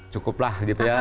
cukuplah gitu ya